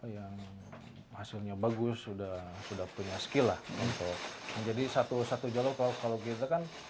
yang hasilnya bagus sudah sudah punya skill lah untuk menjadi satu satu jalur kalau kita kan